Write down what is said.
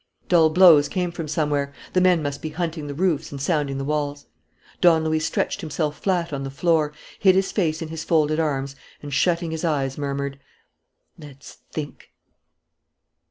Dull blows came from somewhere. The men must be hunting the roofs and sounding the walls. Don Luis stretched himself flat on the floor, hid his face in his folded arms and, shutting his eyes, murmured: "Let's think."